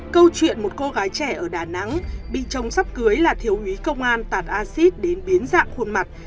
câu chuyện một cô gái trẻ ở đà nẵng bị chồng sắp cưới là thiếu úy công an tàn acid đến biến dạng khuôn mặt